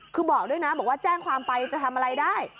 คือบอกด้วยนะบอกว่าแจ้งความไปจะทำอะไรได้